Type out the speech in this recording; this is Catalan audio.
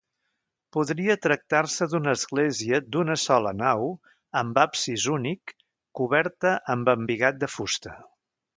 Podria tractar-se d'una església d'una sola nau amb absis únic, coberta amb embigat de fusta.